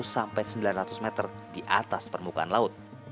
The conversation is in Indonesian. sampai sembilan ratus meter di atas permukaan laut